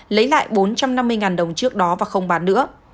lấy lại bốn trăm năm mươi đồng trước đó và không bán nữa